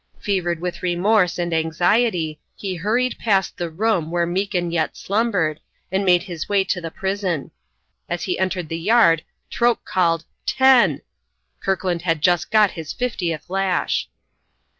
Fevered with remorse and anxiety, he hurried past the room where Meekin yet slumbered, and made his way to the prison. As he entered the yard, Troke called "Ten!" Kirkland had just got his fiftieth lash.